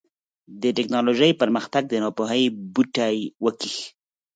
د ټيکنالوژۍ پرمختګ د ناپوهۍ بوټی وکېښ.